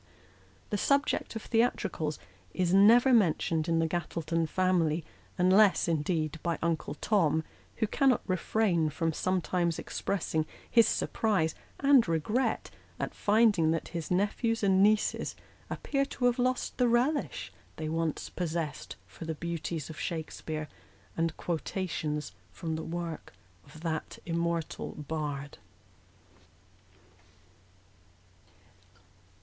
The subject of theatricals is never mentioned in the Gattleton family, unless, indeed, by Uncle Tom, who cannot refrain from some times expressing his surprise and regret at finding that his nephews and nieces appear to have lost the relish they once possessed for the beauties of Shakspeare, and quotations from the works of that im mortal bard.